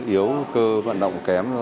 yếu cơ vận động kém